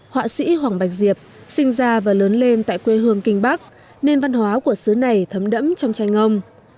họa sĩ hoàng bạch diệp sinh ra và lớn lên tại quê hương kinh bắc nên văn hóa của xứ này thấm đẫm trong tranh ông